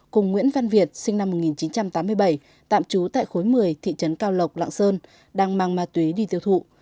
cùng nguyễn văn việt sinh năm một nghìn chín trăm tám mươi bảy tạm trú tại khối một mươi thị trấn cao lộc lạng sơn đang mang ma túy đi tiêu thụ